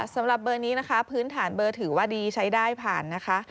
สำหรับเบอร์นี้นะคะพื้นฐานเบอร์ถือว่าดีใช้ได้ผ่านนะคะ